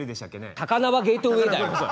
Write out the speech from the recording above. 高輪ゲートウェイだよ！